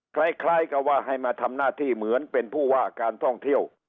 คล้ายกับว่าให้มาทำหน้าที่เหมือนเป็นผู้ว่าการท่องเที่ยว